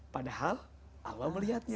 padahal allah melihatnya